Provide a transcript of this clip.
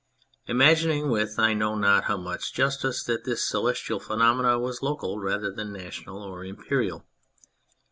" Imagining, with I know not how much justice, that this celestial phenomenon was local rather than national or imperial.